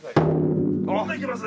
もっといけます！